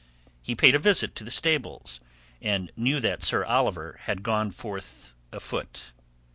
He paid a visit to the stables, and knew that Sir Oliver had gone forth afoot.